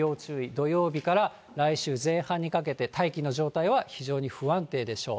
土曜日から来週前半にかけて、大気の状態は非常に不安定でしょう。